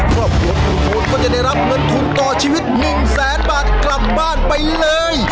ครอบครัวลุงพลก็จะได้รับเงินทุนต่อชีวิต๑แสนบาทกลับบ้านไปเลย